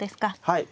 はい。